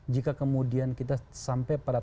jika kemudian kita sampai pada